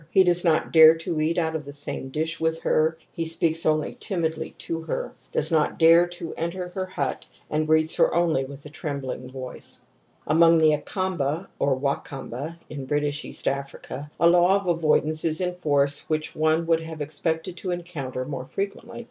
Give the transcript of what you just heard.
He does not dare to eat out of the same dish with her ; he speaks only timidly to her, does not dare to enter her hut, and greets her only with a trembling voice ^^. Among the Akamba (or Wakamba) in British East Africa, a law of avoidance is in force which one would have expected to encoimter more fre quently.